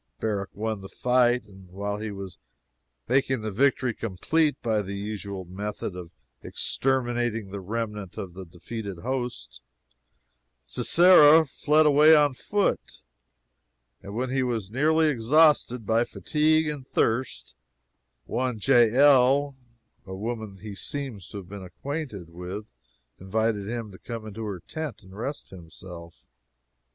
Barak won the fight, and while he was making the victory complete by the usual method of exterminating the remnant of the defeated host, Sisera fled away on foot, and when he was nearly exhausted by fatigue and thirst, one Jael, a woman he seems to have been acquainted with, invited him to come into her tent and rest himself.